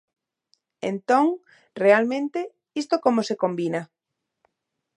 Entón, realmente, ¿isto como se combina?